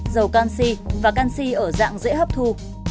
dầu canxi và canxi ở dạng dễ hấp thu